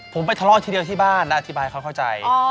ผมไปทะเลาะทีเดียวที่บ้านและอธิบายเขาเข้าใจ